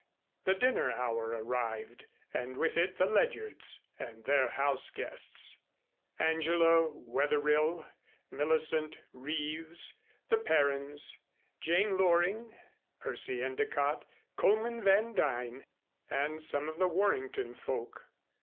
The dinner hour arrived and with it the Ledyards and their house guests, Angela Wetherill, Millicent Reeves, the Perrines, Jane Loring, Percy Endicott, Coleman Van Duyn and some of the Warrenton folk.